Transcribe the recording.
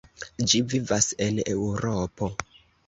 Ĝi vivas en Eŭropo.